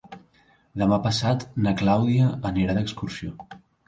Demà passat na Clàudia anirà d'excursió.